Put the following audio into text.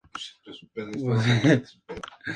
Se emplea en medicina como purgante.